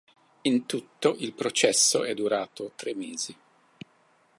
In tutto, il processo è durato tre mesi.